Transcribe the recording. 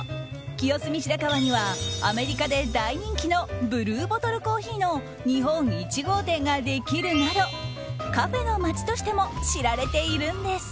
清澄白河にはアメリカで大人気のブルーボトルコーヒーの日本１号店ができるなどカフェの街としても知られているんです。